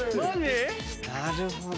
なるほど。